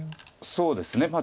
そうですね